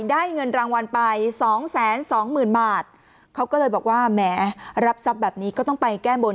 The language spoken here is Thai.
ได้เงินรางวัลไป๒๒๐๐๐๐บาทเขาก็เลยบอกว่าแหมรับทรัพย์แบบนี้ก็ต้องไปแก้บน